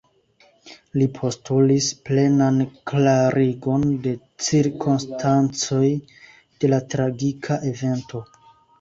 Li postulis plenan klarigon de cirkonstancoj de la tragika evento.